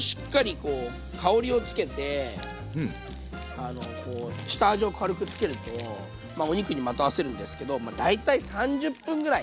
こう香りをつけて下味を軽くつけるとまあお肉にまとわせるんですけど大体３０分ぐらい。